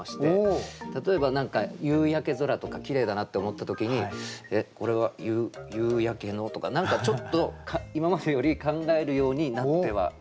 例えば何か夕焼け空とかきれいだなって思った時にこれは「夕焼けの」とか何かちょっと今までより考えるようになってはきました。